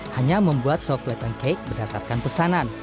hanya membuat softle pancake berdasarkan pesanan